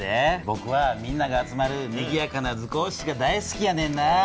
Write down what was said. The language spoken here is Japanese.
ぼくはみんなが集まるにぎやかな図工室が大好きやねんな。